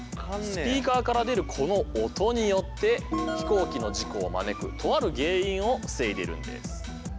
スピーカーから出るこの音によって飛行機の事故を招くとある原因を防いでいるんです。